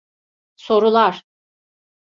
Sorular…